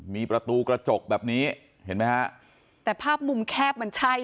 มีประตูกระจกแบบนี้เห็นไหมฮะแต่ภาพมุมแคบมันใช่